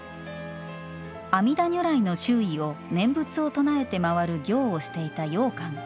阿弥陀如来の周囲を念仏を唱えて回る行をしていた永観。